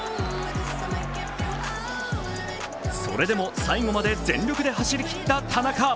それでも、最後まで全力で走りきった田中。